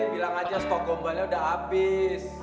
bilang saja stok gombalnya sudah habis